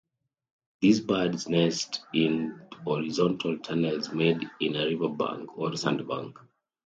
These birds nest in horizontal tunnels made in a river bank or sand bank.